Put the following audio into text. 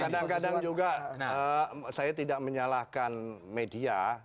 kadang kadang juga saya tidak menyalahkan media